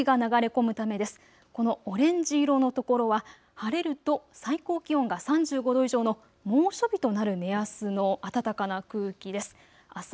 このオレンジ色の所は晴れると最高気温が３５度以上の猛暑日となる目安の暖かな空気です。